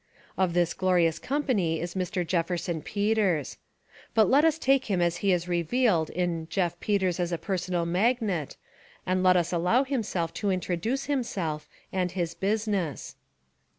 Of this glorious company is Mr. Jefferson Peters. But let us take him as he is revealed in Jef Peters as a Personal Magnet and let us allow him to in troduce himself and his business.